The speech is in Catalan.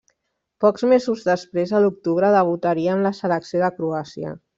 Pocs mesos després, a l'octubre, debutaria amb la selecció de Croàcia.